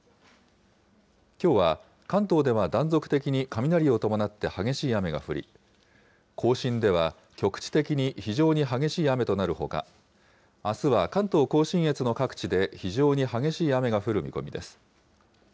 きょうは関東では断続的に雷を伴って激しい雨が降り、甲信では局地的に非常に激しい雨となるほか、あすは関東甲信越の各地で非常に激しい雨が降る見込みです。